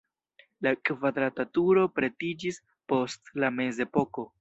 La kvadrata turo pretiĝis post la mezepoko.